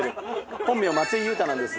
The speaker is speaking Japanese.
本名松井勇太なんです。